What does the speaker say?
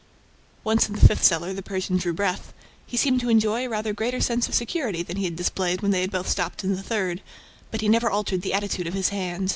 Once in the fifth cellar, the Persian drew breath. He seemed to enjoy a rather greater sense of security than he had displayed when they both stopped in the third; but he never altered the attitude of his hand.